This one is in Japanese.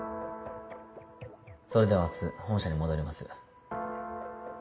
それでは明日本社に戻ります。